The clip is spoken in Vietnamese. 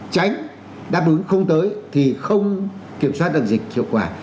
tránh đáp ứng không tới thì không kiểm soát được dịch hiệu quả